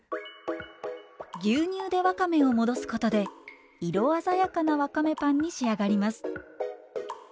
牛乳でわかめを戻すことで色鮮やかなわかめパンに仕上がります。